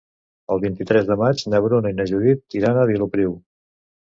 El vint-i-tres de maig na Bruna i na Judit iran a Vilopriu.